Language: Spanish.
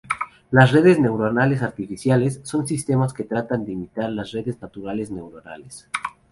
Las redes neuronales artificiales, son sistemas que tratan de imitar las redes naturales neuronales.